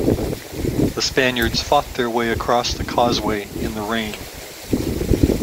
The Spaniards fought their way across the causeway in the rain.